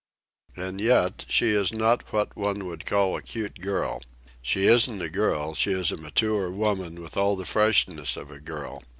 And yet she is not what one would call a cute girl. She isn't a girl, she is a mature woman with all the freshness of a girl.